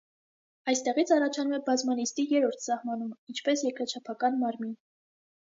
Այստեղից առաջանում է բազմանիստի երրորդ սահմանումը, ինչպես երկրաչափական մարմին։